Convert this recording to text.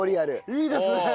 いいですね。